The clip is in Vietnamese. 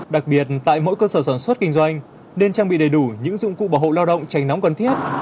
đặc biệt tại mỗi cơ sở sản xuất kinh doanh nên trang bị đầy đủ những dụng cụ bảo hộ lao động tránh nóng cần thiết